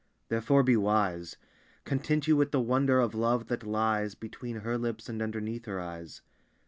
Therefore be wise. Content you with the wonder of love that lies Between her lips and underneath her eyes.